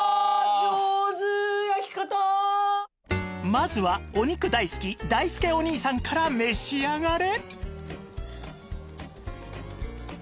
まずはお肉大好きだいすけお兄さんから召し上がれ！